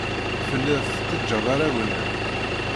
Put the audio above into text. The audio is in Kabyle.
Tellid tettajjad arraw-nnem.